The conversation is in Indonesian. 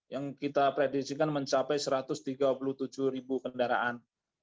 yang kita prediksikan mencapai satu ratus tiga puluh tujuh ribu kendaraan